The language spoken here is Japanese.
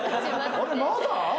あれ何だ？